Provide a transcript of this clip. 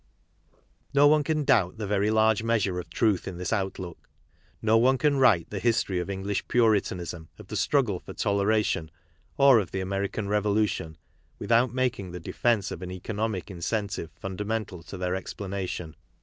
No one can doubt the very large measure of truth in this outlook. No one can write the history of English Puritanism, of the struggle for toleration, or of the American Revolution, without making the defence of an economic incentive fundamental to their explanation.